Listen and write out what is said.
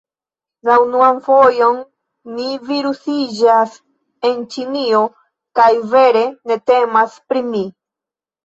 La unuan fojon - mi virusiĝas en Ĉinio, kaj, vere ne temas pri mi...